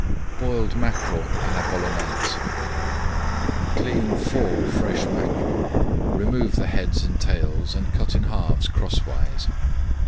BOILED MACKEREL À LA BOLONAISE Clean four fresh mackerel, remove the heads and tails and cut in halves crosswise.